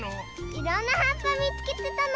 いろんなはっぱみつけてたの！